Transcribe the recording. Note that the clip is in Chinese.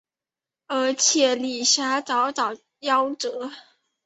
而且李遐早早夭折。